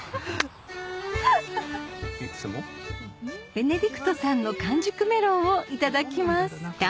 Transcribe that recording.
ベネディクトさんの完熟メロンをいただきます